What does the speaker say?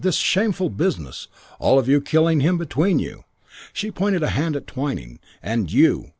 This shameful business. All of you killing him between you.' She pointed a hand at Twyning. 'And you.